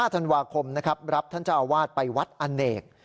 ๒๕๒๓ธันวาคมรับท่านเจ้าอาวาสไปวัดอเนก